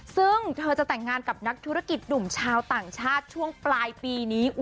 ซึ่งเธอจะแต่งงานกับนักธุรกิจหนุ่มชาวต่างชาติช่วงปลายปีนี้